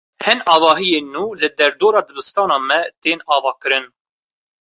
Hin avahiyên nû li derdora dibistana me tên avakirin.